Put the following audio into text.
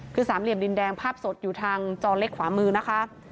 คือสามเหลี่ยมดินแดงภาพสดอยู่ทางจอเล็กขวามือนะคะ